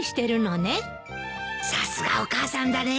さすがお母さんだね。